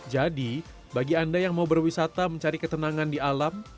jadi bagi anda yang mau berwisata mencari ketenangan di alam